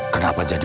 mengapa hanya lu